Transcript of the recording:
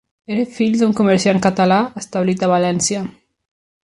Era fill d'un comerciant català establit a València.